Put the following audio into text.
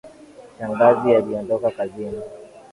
Shangazi aliondoka kazini